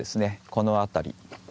この辺り。